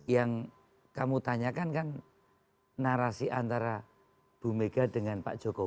yang kamu tanyakan kan narasi antara bu mega dengan pak jokowi